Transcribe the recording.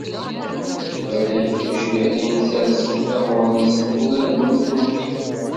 Lmalayek tucbiḥin ssersent tamuɣli-nsent ula d nutenti.